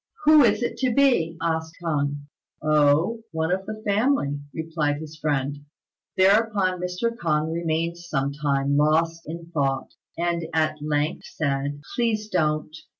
"Who is it to be?" asked K'ung. "Oh, one of the family," replied his friend. Thereupon Mr. K'ung remained some time lost in thought, and at length said, "Please don't!"